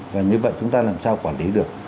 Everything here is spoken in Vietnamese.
và như vậy chúng ta làm sao quản lý được